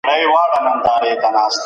قانون د دواړو مجلسونو ترمنځ څنګه تیریږي؟